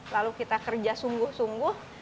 lalu kita kerja sungguh sungguh